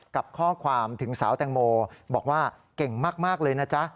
กับข้อความถึงสาวแตงโมบอกว่าเก่งมากเลยนะจ๊ะ